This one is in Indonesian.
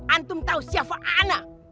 antum tahu siapa anak